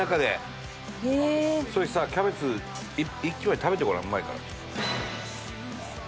それさキャベツ１枚食べてごらんうまいから。